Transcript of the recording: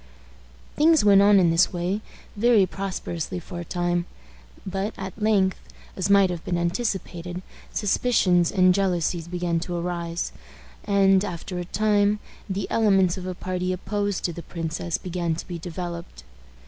Things went on in this way very prosperously for a time; but at length, as might have been anticipated, suspicions and jealousies began to arise, and, after a time, the elements of a party opposed to the princess began to be developed.